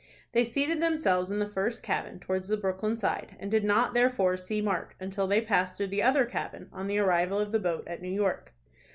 They seated themselves in the first cabin, towards the Brooklyn side, and did not, therefore, see Mark until they passed through the other cabin on the arrival of the boat at New York.